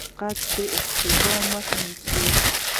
دقت د اشتباه مخه نیسي